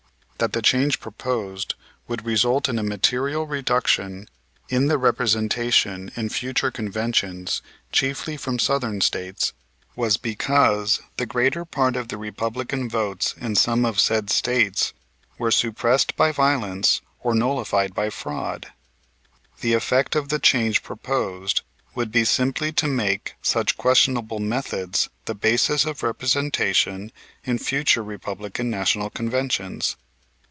That the change proposed would result in a material reduction in the representation in future conventions chiefly from Southern States was because the greater part of the Republican votes in some of said States were suppressed by violence or nullified by fraud. The effect of the change proposed would be simply to make such questionable methods the basis of representation in future Republican National Conventions.